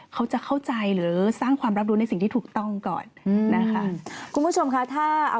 เขาจะเข้าใจหรือสร้างความรับรู้ในสิ่งที่ถูกต้องก่อนนะคะ